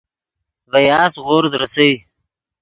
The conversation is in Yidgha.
ڤے یاسپ غورد ریسئے